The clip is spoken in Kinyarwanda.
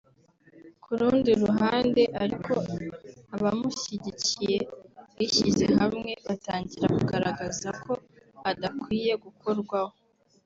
Ku rundi ruhande ariko abamushyigikiye bishyize hamwe batangira kugaragaza ko adakwiye gukorwaho